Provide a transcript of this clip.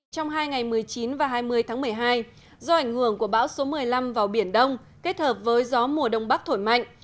trong hai ngày một mươi chín và hai mươi tháng một mươi hai do ảnh hưởng của bão số một mươi năm vào biển đông kết hợp với gió mùa đông bắc thổi mạnh